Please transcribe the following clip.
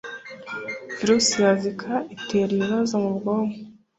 Virusi ya Zika itera ibibazo mu bwonko